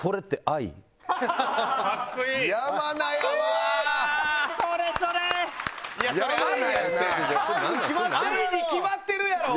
愛に決まってるやろ。